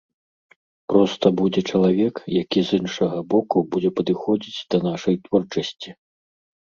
Проста будзе чалавек, які з іншага боку будзе падыходзіць да нашай творчасці.